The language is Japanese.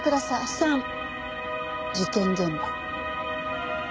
３事件現場。